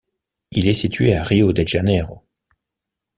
Il est situé à Rio de Janeiro.